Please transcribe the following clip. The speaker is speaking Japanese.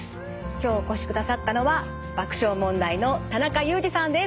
今日お越しくださったのは爆笑問題の田中裕二さんです。